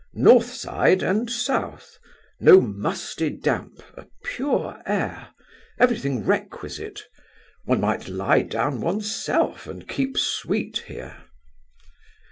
"North side and South. No musty damp. A pure air. Everything requisite. One might lie down one's self and keep sweet here."